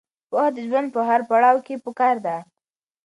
پوهه د ژوند په هر پړاو کې پکار ده.